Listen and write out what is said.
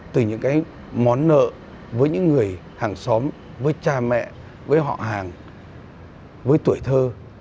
từ những cái món nợ với những người hàng xóm với cha mẹ với họ hàng với tuổi thơ